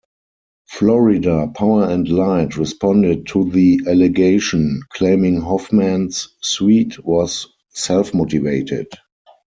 Florida Power and Light responded to the allegation, claiming Hoffman's suit was "self-motivated".